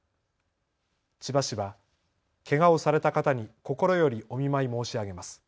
千葉市はけがをされた方に心よりお見舞い申し上げます。